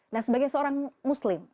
nah sebagai seorang muslim